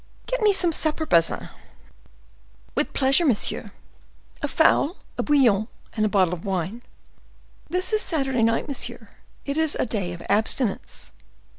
Get me some supper, Bazin." "With pleasure, monsieur." "A fowl, a bouillon, and a bottle of wine." "This is Saturday night, monsieur—it is a day of abstinence."